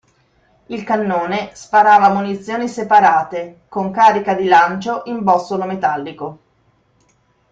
Il cannone sparava munizioni separate, con carica di lancio in bossolo metallico.